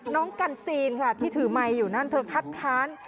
น้องกันซีนค่ะที่ถือไมค์อยู่นั่นเธอคัดค้าน